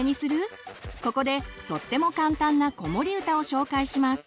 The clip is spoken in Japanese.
ここでとっても簡単な子守歌を紹介します。